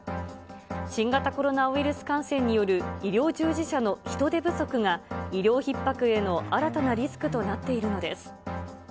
新型コロナウイルス感染による医療従事者の人手不足が医療ひっ迫への新たなリスクとなっているのです。